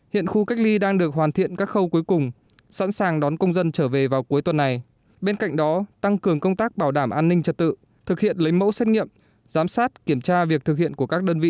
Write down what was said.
hiện khu cách ly đang được hoàn thiện các khâu cuối cùng sẵn sàng đón công dân trở về vào cuối tuần này bên cạnh đó tăng cường công tác bảo đảm an ninh trật tự thực hiện lấy mẫu xét nghiệm giám sát kiểm tra việc thực hiện của các đơn vị